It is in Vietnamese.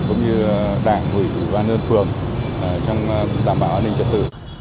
cũng như đảng ủy ubnd phường trong đảm bảo an ninh trật tự